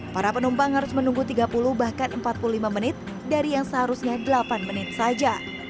para penumpang harus menunggu tiga puluh bahkan empat puluh lima menit dari yang seharusnya delapan menit saja